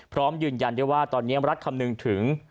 พร้อมยืนยันได้ว่าตอนนี้รัฐคำนึงถึง